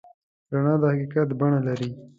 رڼا د حقیقت بڼه لري.